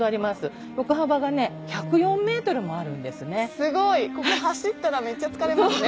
すごいここ走ったらめっちゃ疲れますね。